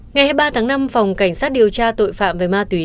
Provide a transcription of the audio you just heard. ngày hai mươi ba tháng năm phòng cảnh sát điều tra tội phạm về ma túy